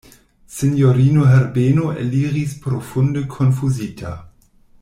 Sinjorino Herbeno eliris profunde konfuzita.